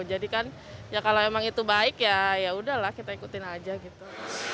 jadi kan ya kalau emang itu baik ya yaudahlah kita ikutin aja gitu